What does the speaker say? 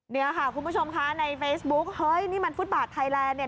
เนี่ยค่ะคุณผู้ชมคะในเฟซบุ๊กเฮ้ยนี่มันฟุตบาทไทยแลนด์เนี่ย